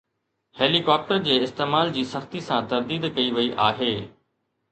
heli copter جي استعمال جي سختي سان ترديد ڪئي وئي آهي